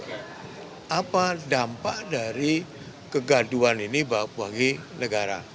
jadi saya tidak akan mengambil dampak dari kegaduan ini bagi negara